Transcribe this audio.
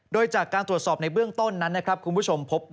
โดยจากการตรวจสอบในเบื้องต้นนั้นนะครับคุณผู้ชมพบ